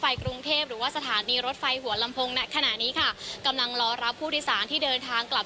อยู่ที่หัวลำโพงนะครับ